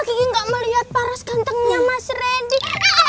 gigi gak melihat paras gantengnya mas rendy